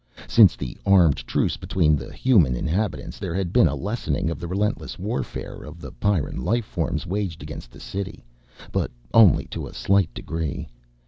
Since the armed truce between the human inhabitants there had been a lessening of the relentless warfare the Pyrran life forms waged against the city, but only to a slight degree.